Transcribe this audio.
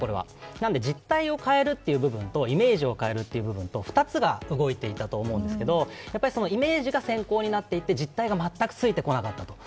なんで、実態を変えるという部分とイメージを変えるという部分と２つが動いていたと思うんですけどそのイメージが先行になっていて実態が全くついてこなかったと。